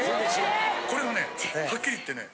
これがねはっきり言ってね。